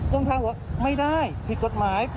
กล้องทางบอกไม่ได้ผิดกฎหมาย